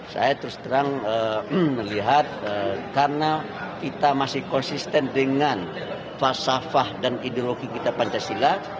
saya terus terang melihat karena kita masih konsisten dengan falsafah dan ideologi kita pancasila